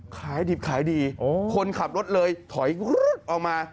ขายดิบขายดีคนขับรถเลยถอยรถออกมา